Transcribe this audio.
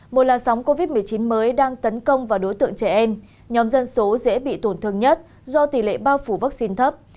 một làn sóng covid một mươi chín mới đang tấn công vào đối tượng trẻ em nhóm dân số dễ bị tổn thương nhất do tỷ lệ bao phủ vaccine thấp